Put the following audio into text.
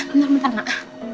bentar bentar nak